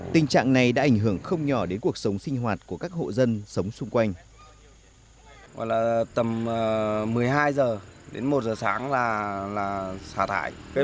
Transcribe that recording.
tình trạng này đã ảnh hưởng không nhỏ đến cuộc sống sinh hoạt của các hộ dân sống xung quanh